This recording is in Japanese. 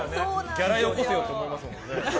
ギャラよこせよって思いますもんね。